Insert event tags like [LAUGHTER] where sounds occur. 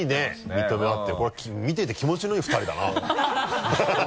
認め合ってこれ見てて気持ちのいい２人だなハハハ [LAUGHS]